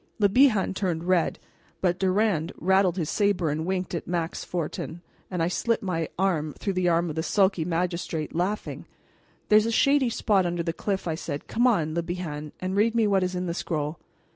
Le Bihan turned red, but Durand rattled his saber and winked at Max Fortin, and I slipped my arm through the arm of the sulky magistrate, laughing. "There's a shady spot under the cliff," I said; "come on, Le Bihan, and read me what is in the scroll."